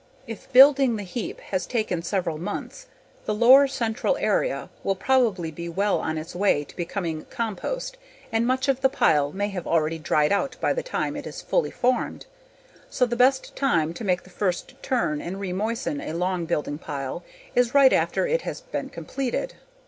If building the heap has taken several months, the lower central area will probably be well on its way to becoming compost and much of the pile may have already dried out by the time it is fully formed. So the best time make the first turn and remoisten a long building pile is right after it has been completed.